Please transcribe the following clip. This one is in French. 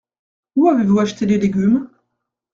Où avez-vous acheté les légumes ?